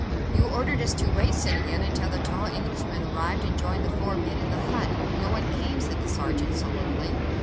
"You ordered us to wait, citoyen, until the tall Englishman arrived and joined the four men in the hut. No one came," said the sergeant sullenly.